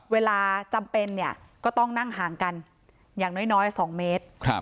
เวลาจำเป็นเนี่ยก็ต้องนั่งห่างกันอย่างน้อย๒เมตร